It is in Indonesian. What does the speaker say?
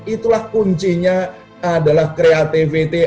itulah kuncinya adalah creativity